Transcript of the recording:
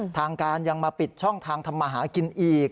ทางการยังมาปิดช่องทางทำมาหากินอีก